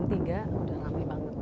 nanti jam tiga udah rame banget